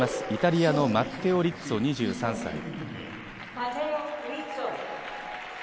イタリアのマッテオ・リッツォ、２３歳。